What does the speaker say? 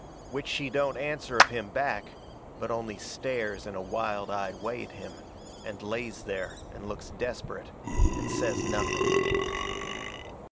Which she don't answer of him back, but only stares in a wild eyed way at him, and lays there and looks desperate, and says nothing.